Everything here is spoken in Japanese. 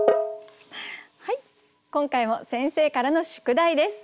今回も先生からの宿題です。